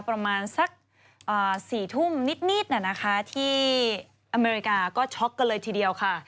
ประมาณสัก๔ทุ่มนิดที่อเมริกาก็ช็อกกันเลยทีเดียวค่ะ